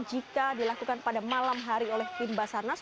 jika dilakukan pada malam hari oleh tim basarnas